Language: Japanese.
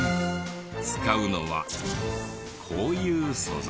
使うのはこういう素材。